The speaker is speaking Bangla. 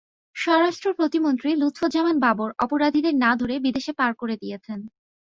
স্বরাষ্ট্র প্রতিমন্ত্রী লুৎফুজ্জামান বাবর অপরাধীদের না ধরে বিদেশে পার করে দিয়েছেন।